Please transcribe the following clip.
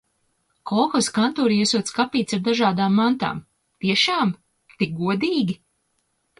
Kolhoza kantorī esot skapītis ar dažādām mantām. Tiešām? Tik godīgi?